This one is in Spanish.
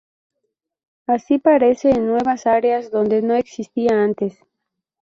Así aparece en nuevas áreas donde no existía antes.